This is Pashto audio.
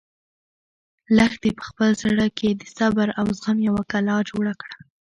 لښتې په خپل زړه کې د صبر او زغم یوه کلا جوړه کړه.